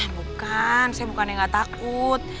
bukan saya bukannya gak takut